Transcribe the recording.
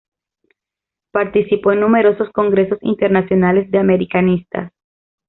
Participó en numerosos congresos internacionales de americanistas.